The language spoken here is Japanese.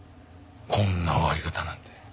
こんな終わり方なんて。